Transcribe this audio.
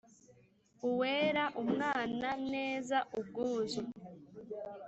Uweera, umwaana, neeza, ubwuuzu